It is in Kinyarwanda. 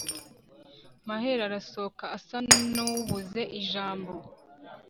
maheru arasohoka asa n'ubuze ijambo